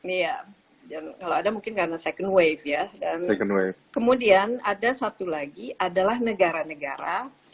iya dan kalau ada mungkin karena second wave ya dan kemudian ada satu lagi adalah negara negara